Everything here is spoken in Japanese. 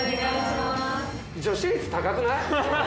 女子率高くない？